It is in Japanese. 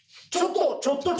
ちょっと！